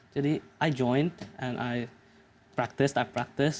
jadi saya ikut dan saya berlatih berlatih